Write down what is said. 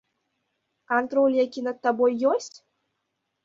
Кантроль які над табой ёсць?